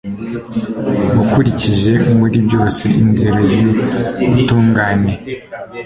wakurikije muri byose inzira y'ubutungane